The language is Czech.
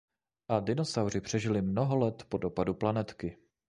A dinosauři přežili mnoho let po dopadu planetky.